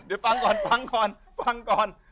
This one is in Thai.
เดี๋ยวฟังก่อนฟังก่อน